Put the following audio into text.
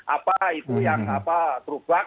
apa itu yang terubak